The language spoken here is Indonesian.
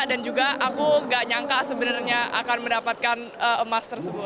dan juga aku gak nyangka sebenarnya akan mendapatkan emas tersebut